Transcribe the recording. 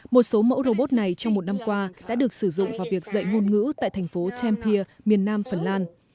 một số mẫu robot này trong một năm qua đã được sử dụng vào việc dạy ngôn ngữ tại thành phố champir miền nam phần lan